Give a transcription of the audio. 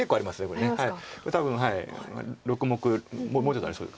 これ多分６目もうちょっとありそう。